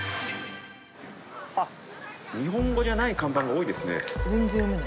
あっ日本語じゃない看板が多いですね。